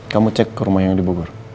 kamu cek ke rumah yang dibubur